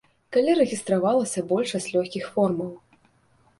Калі рэгістравалася большасць лёгкіх формаў.